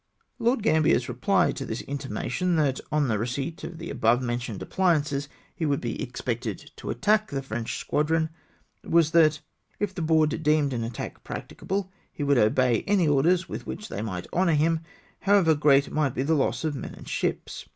Lord Gambler's reply to this intimation, that on the receipt of the above mentioned appUances he would be expected to attack the French squadron, was, that " if the Board deemed an attack practicable, he would obey any orders with which they might honour him, how ever great might be the loss of men and ships."